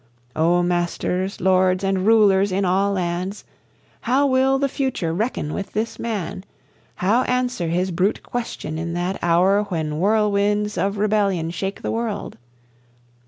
O masters, lords, and rulers in all lands, How will the future reckon with this Man? How answer his brute question in that hour When whirlwinds of rebellion shake the world?